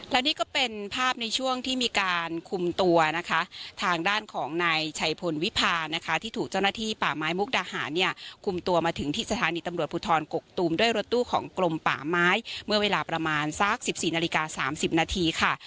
และนี่ก็เป็นภาพในช่วงที่มีการคุมตัวนะคะทางด้านของนายชัยพลวิพานะคะที่ถูกเจ้าหน้าที่ป่าไม้มุกดาหารเนี่ยคุมตัวมาถึงที่สถานีตำรวจภูทรกกตูมด้วยรถตู้ของกลมป่าไม้เมื่อเวลาประมาณสัก๑๔นาฬิกา๓๐นาทีค่ะ